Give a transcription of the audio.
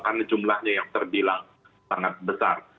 karena jumlahnya yang terbilang sangat besar